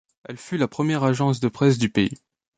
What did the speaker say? Elle fut la première agence de presse du pays.